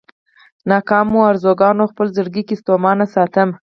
ناکامو ارزوګانو خپل زړګی ستومانه ساتم.